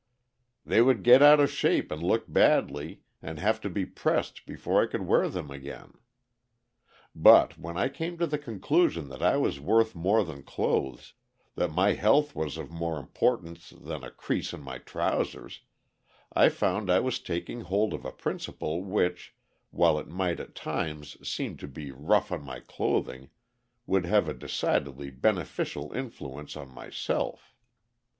"They would get out of shape and look badly, and have to be pressed before I could wear them again." But when I came to the conclusion that I was worth more than clothes, that my health was of more importance than a crease in my trousers, I found I was taking hold of a principle which, while it might at times seem to be rough on my clothing, would have a decidedly beneficial influence on myself.